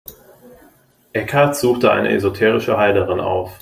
Eckhart suchte eine esoterische Heilerin auf.